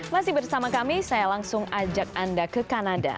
masih bersama kami saya langsung ajak anda ke kanada